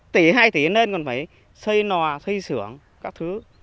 tỷ hai tỷ nó lên còn phải xây nòa xây xưởng các thứ